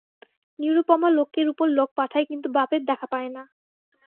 নিরুপমা লোকের উপর লোক পাঠায় কিন্তু বাপের দেখা পায় না।